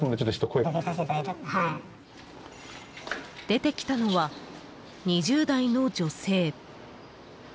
出てきたのは２０代の女性。